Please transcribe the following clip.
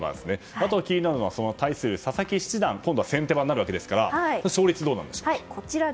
あと、気になるのは対する佐々木七段が今度は先手番になるので勝率、どうなんでしょうか。